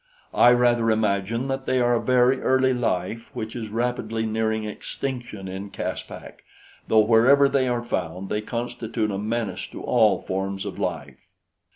I rather imagine that they are a very early life which is rapidly nearing extinction in Caspak, though wherever they are found, they constitute a menace to all forms of life.